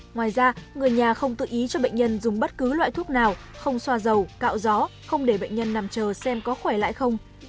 ngoài ra người nhà không tự ý cho bệnh nhân dùng bất cứ loại thuốc nào không xoa dầu cạo gió không để bệnh nhân nằm chờ xem có khỏe lại không